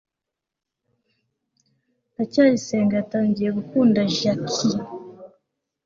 ndacyayisenga yatangiye gukunda jaki cy